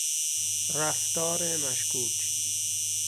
رفتار مشکوک